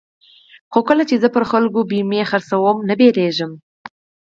خو کله چې زه پر خلکو بېمې پلورم نه درېږم.